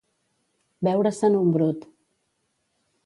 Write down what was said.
Veure-se'n un brut.